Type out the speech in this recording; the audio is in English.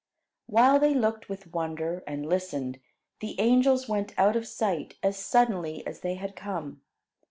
While they looked with wonder, and listened, the angels went out of sight as suddenly as they had come.